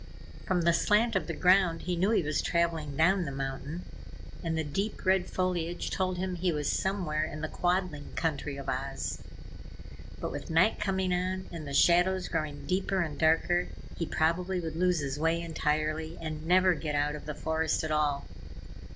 From the slant of the ground he knew he was travelling down the mountain, and the deep, red foliage told him he was somewhere in the Quadling country of Oz. But with night coming on and the shadows growing deeper and darker, he probably would lose his way entirely and never get out of the forest at all.